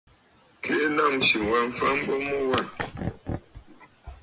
Keʼe lâmsì wa mfa a mbo mu wâ.